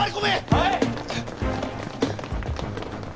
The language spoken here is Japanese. はい！